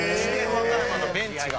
和歌山のベンチが。